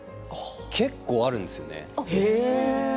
結構あるんですよね。